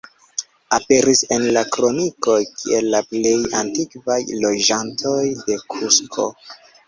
Aperis en la kronikoj kiel la plej antikvaj loĝantoj de Kusko.